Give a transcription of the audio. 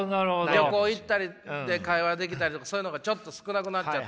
旅行行ったりで会話できたりとかそういうのがちょっと少なくなっちゃった？